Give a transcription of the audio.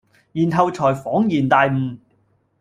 然後才仿然大悟。